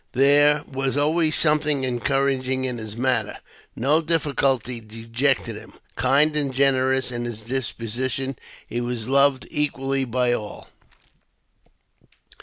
There was always something encouraging in his manner ; no diffi culty dejected him ; kind and generous in his disposition, he was loved equally by all.